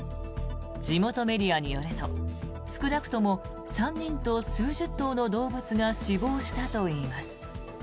地元メディアによると少なくとも３人と数十頭の動物が死亡したといいます。